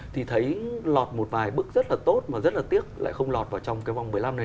thì thấy lọt một vài bức rất là tốt mà rất là tiếc lại không lọt vào trong cái vòng một mươi năm này